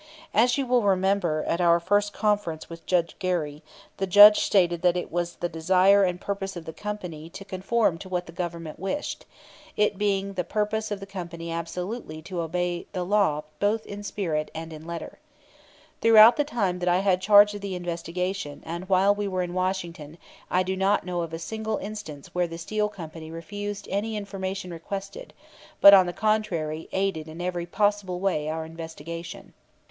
As you will remember, at our first conference with Judge Gary, the Judge stated that it was the desire and purpose of the Company to conform to what the Government wished, it being the purpose of the Company absolutely to obey the law both in spirit and letter. Throughout the time that I had charge of the investigation, and while we were in Washington, I do not know of a single instance where the Steel Company refused any information requested; but, on the contrary, aided in every possible way our investigation.